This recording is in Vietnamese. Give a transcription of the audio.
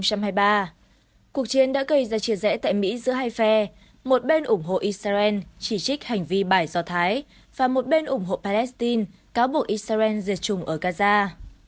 cuộc chiến đã gây ra chia rẽ tại mỹ giữa hai phe một bên ủng hộ israel chỉ trích hành vi bài do thái và một bên ủng hộ palestine cáo buộc israel diệt chủng ở gaza